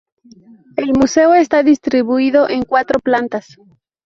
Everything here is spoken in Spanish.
El museo está distribuido en cuatro plantas.